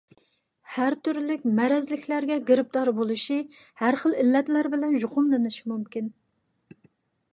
ھەر تۈرلۈك مەرەزلىكلەرگە گىرىپتار بولۇشى، ھەرخىل ئىللەتلەر بىلەن يۇقۇملىنىشى مۇمكىن.